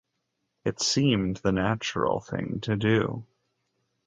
It seemed the natural thing to do.